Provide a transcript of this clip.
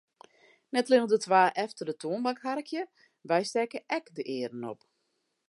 Net allinne de twa efter de toanbank harkje, wy stekke ek de earen op.